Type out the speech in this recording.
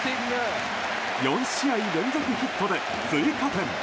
４試合連続ヒットで追加点。